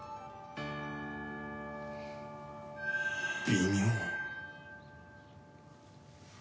微妙